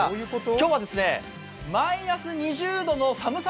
今日はマイナス２０度の寒さ